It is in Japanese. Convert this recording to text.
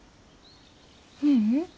ううん。